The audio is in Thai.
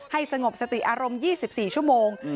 สงบสติอารมณ์๒๔ชั่วโมง